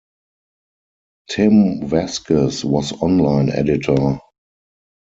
Tim Vasquez was online editor.